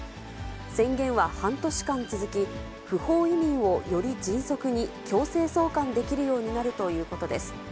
宣言は半年間続き、不法移民をより迅速に強制送還できるようになるということです。